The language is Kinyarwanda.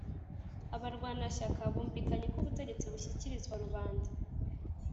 abarwanashyaka bumvikanye ko ubutegetsi bushyikirizwa rubanda,